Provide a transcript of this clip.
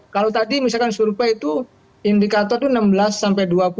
kalau tadi misalkan surpe itu indikatornya enam belas sampai dua puluh